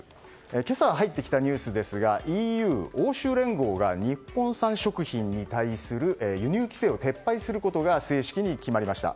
今朝、入ってきたニュースですがＥＵ・欧州連合が日本産食品に対する輸入規制を撤廃することが正式に決まりました。